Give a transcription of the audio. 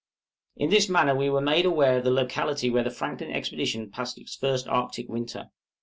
In this manner were we made aware of the locality where the Franklin expedition passed its first Arctic winter.